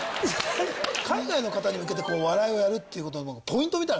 海外の方に向けて笑いをやるっていうことのポイントみたいな。